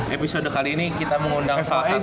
episode kali ini kita mengundang falhan